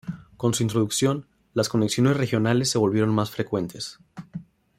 Con su introducción, las conexiones regionales se volvieron más frecuentes.